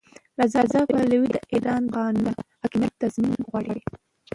رضا پهلوي د ایران د قانون حاکمیت تضمین غواړي.